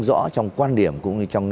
rõ trong quan điểm cũng như trong